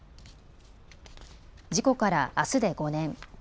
事故からあすで５年。